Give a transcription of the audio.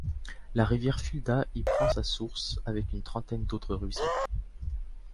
La rivière Fulda y prend sa source avec une trentaine d'autres ruisseaux.